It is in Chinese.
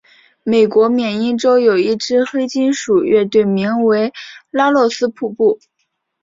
美国缅因洲有一支黑金属乐队名为拉洛斯瀑布。